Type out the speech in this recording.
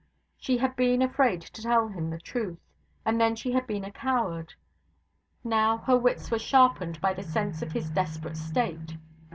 She had been afraid to tell him the truth, and then she had been a coward. Now, her wits were sharpened by the sense of his desperate state.